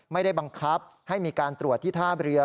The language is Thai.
ไม่ได้บังคับให้มีการตรวจที่ท่าเรือ